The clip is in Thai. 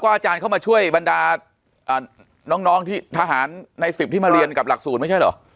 อาจารย์เข้ามาช่วยบรรดาน้องที่ทหารใน๑๐ที่มาเรียนกับหลักสูตรไม่ใช่เหรอ